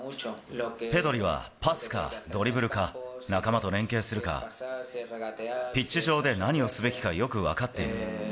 ペドリはパスかドリブルか、仲間と連係するか、ピッチ上で何をすべきかよく分かっている。